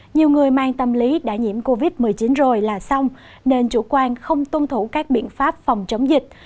nhiều người mang tâm lý đã nhiễm covid một mươi chín rồi là xong nên chủ quan không tuân thủ các biện pháp phòng chống dịch